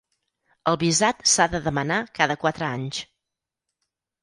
El visat s'ha de demanar cada quatre anys.